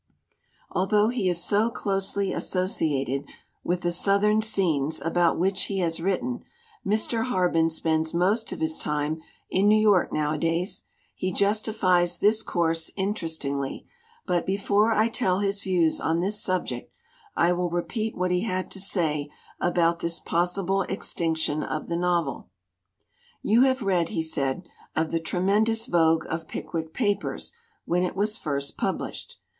Although he is so closely associated with the Southern scenes about which he has written, Mr. Harben spends most of his time in New York nowadays. He justifies this course interestingly but before I tell his views on this subject I will 187 LITERATURE IN THE MAKING repeat what he had to say about this possible extinction of the novel. "You have read," he said, "of the tremendous vogue of Pickwick Papers when it was first pub lished.